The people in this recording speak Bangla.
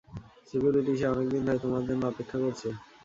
সিকিউরিটি - সে অনেক দিন ধরে তোমার জন্য অপেক্ষা করছে।